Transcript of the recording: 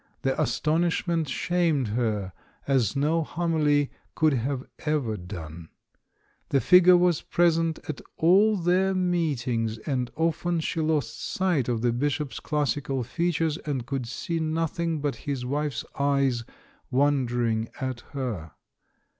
The astonishment shamed her as no homily could have ever done. The figure was present at all their meetings, and often she lost sight of the Bishop's classical fea tures and could see nothing but his wife's eyes wondering at her.